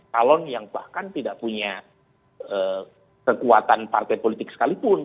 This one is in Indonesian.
calon yang bahkan tidak punya kekuatan partai politik sekalipun